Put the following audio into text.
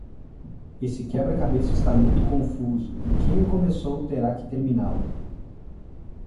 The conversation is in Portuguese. Esse quebra-cabeça está muito confuso e quem o começou terá que terminá-lo